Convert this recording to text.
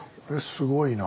すごいな。